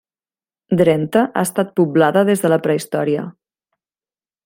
Drenthe ha estat poblada des de la prehistòria.